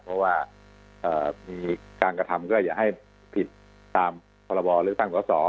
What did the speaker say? ถ้ามีการกระทำก็อย่าให้ผิดตามประบอบหรือสร้างประสอบ